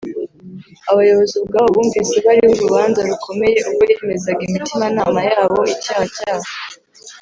abayobozi ubwabo bumvise bariho urubanza rukomeye ubwo yemezaga imitimanama yabo icyaha cyabo